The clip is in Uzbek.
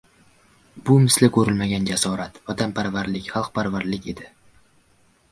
Bu misli ko‘rilmagan jasorat, vatanparvarlik, xalqparvarlik edi.